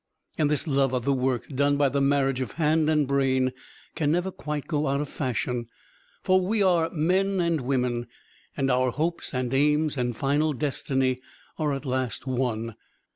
And this love of the work done by the marriage of hand and brain can never quite go out of fashion for we are men and women, and our hopes and aims and final destiny are at last one.